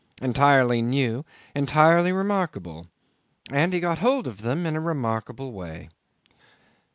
Entirely new, entirely remarkable. And he got hold of them in a remarkable way.